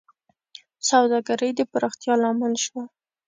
سوداګرۍ د پراختیا لامل شوه.